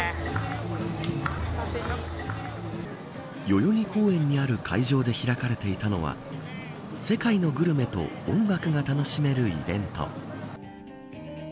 代々木公園にある会場で開かれていたのは世界のグルメと音楽が楽しめるイベント。